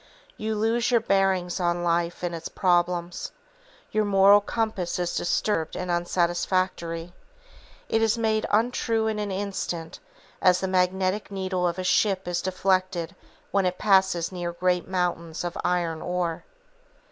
You lose your bearings on life and its problems. Your moral compass is disturbed and unsatisfactory. It is made untrue in an instant, as the magnetic needle of a ship is deflected when it passes near great mountains of iron ore.